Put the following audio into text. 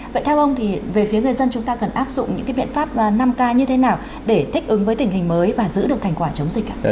vậy theo ông thì về phía người dân chúng ta cần áp dụng những cái biện pháp năm k như thế nào để thích ứng với tình hình mới và giữ được thành quả chống dịch ạ